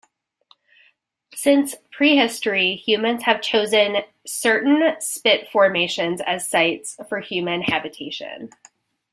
Since prehistory humans have chosen certain spit formations as sites for human habitation.